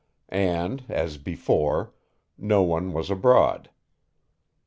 And, as "before," no one was abroad.